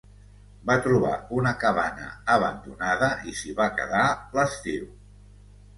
Va trobar una cabana abandonada i s'hi va quedar l'estiu.